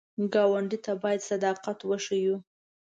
ګاونډي ته باید صداقت وښیو